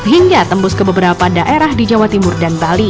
hingga tembus ke beberapa daerah di jawa timur dan bali